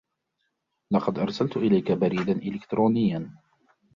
لقد أرسلتُ إليكَ بريداً إلكترونياً.